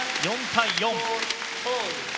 ４対４。